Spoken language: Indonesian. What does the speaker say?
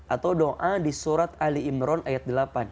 atau doa di surat ali imron ayat delapan